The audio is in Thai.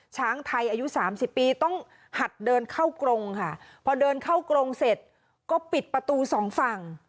ช้างไทยอายุ๓๐ปีต้องหัดเดินเข้ากลงค่ะต้องเดินเข้ากลงเศษก็ปิดประตูสองฝั่ง